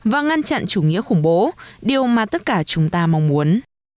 và ngăn chặn chủ nghĩa khủng bố điều mà tất cả chúng ta mong muốn